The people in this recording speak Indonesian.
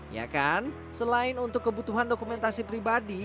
ya kan selain untuk kebutuhan dokumentasi pribadi